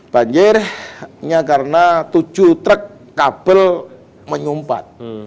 banjirnya karena tujuh truk kabel menyumpat